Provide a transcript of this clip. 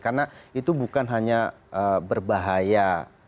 karena itu bukan hanya berbahaya